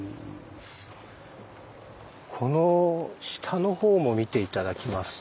この下のほうも見て頂きますと。